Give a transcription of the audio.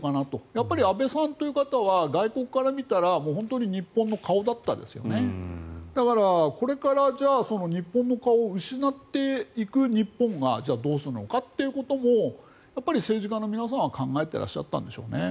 やっぱり安倍さんという方は外国から見たら本当に日本の顔だったんですよねだからこれから日本の顔を失っていく日本がじゃあ、どうするのかってこともやっぱり政治家の皆さんは考えていらっしゃったんでしょうね。